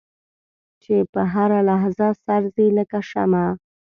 چې په هره لحظه سر ځي لکه شمع.